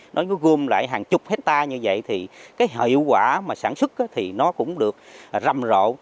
nó gồm lại hàng chục hectare như vậy thì cái hiệu quả mà sản xuất thì nó cũng được râm rộ